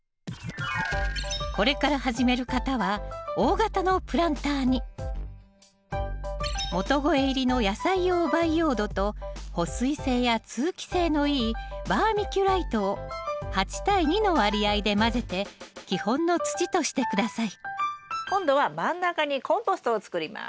これから始める方は大型のプランターに元肥入りの野菜用培養土と保水性や通気性のいいバーミキュライトを８対２の割合で混ぜて基本の土として下さい今度は真ん中にコンポストを作ります。